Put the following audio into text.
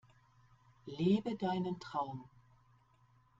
Lebe deinen Traum!